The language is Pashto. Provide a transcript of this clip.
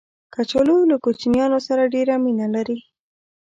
کچالو له کوچنیانو سره ډېر مینه لري